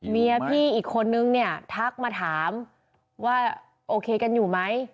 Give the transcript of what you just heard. เมียพี่อีกคนนึงเนี่ยทักมาถามว่าโอเคกันอยู่ไหม